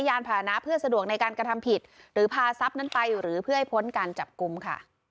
อย่าให้มันซื้อโทษหรอก